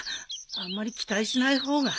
あんまり期待しない方が。